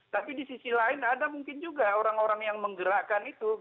tapi di sisi lain ada mungkin juga orang orang yang menggerakkan itu